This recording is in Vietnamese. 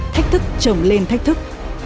thách thức trổng lên thách thức